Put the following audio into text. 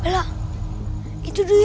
belok itu duitnya